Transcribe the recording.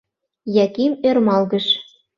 Яким ӧрмалгыш.